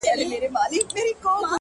د نوم له سيـتاره دى لـوېـدلى;